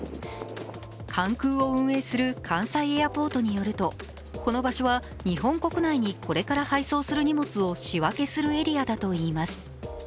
関空を運営する関西エアポートによるとこの場所は日本国内に、これから配送する荷物を仕分けするエリアだといいます。